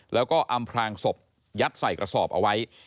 แล้วก็อำพลางศพยัดใส่กระสอบเอาไว้